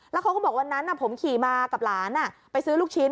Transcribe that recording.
แล้วเขาก็บอกวันนั้นผมขี่มากับหลานไปซื้อลูกชิ้น